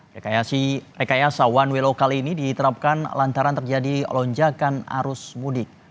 rekaya sawan wilokal ini diterapkan lantaran terjadi lonjakan arus mudik